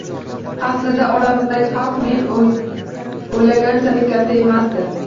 Aslida oramizdagi farq men o`ylaganchalik katta emasdi